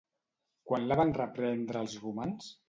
Quan la van reprendre els romans?